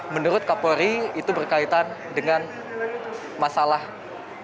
menurut kapolri itu berkaitan dengan masalah kesehatan